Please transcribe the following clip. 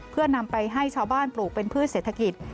เพื่อนำไปให้ชาวบ้านปลูกเป็นพืชเศรษฐกิจ